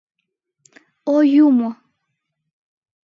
— О юмо!..